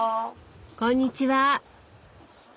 こんにちは。